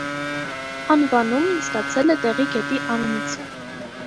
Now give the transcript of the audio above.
Անվանումն ստացել է տեղի գետի անունից։